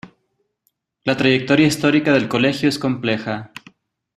La trayectoria histórica del colegio es compleja.